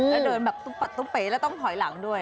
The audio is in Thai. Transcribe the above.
ถ้าเดินแบบตุ๊บปัดตุ๊บไปแล้วต้องถอยหลังด้วย